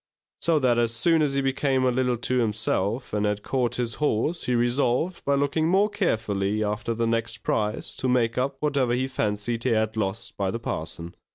So that as soon as he came a little to himself, and had caught his horse, he resolved, by looking more carefully after the next prize, to make up what he fancied he had lost by the parson.